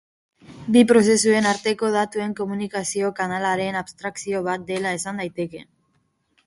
Bi prozesuen arteko datuen komunikazio-kanalaren abstrakzio bat dela esan daiteke.